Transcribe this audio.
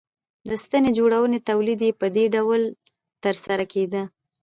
د ستنې جوړونې تولید یې په دې ډول ترسره کېده